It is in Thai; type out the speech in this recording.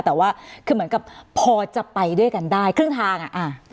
แต่ว่าคือเหมือนกับพอจะไปด้วยกันได้ครึ่งทางอ่ะ